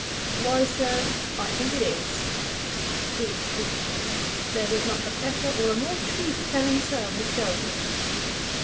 "Why, Sir. ... I thmk it tir," (Good creature ! There is not a better, or more truth telling servant going.)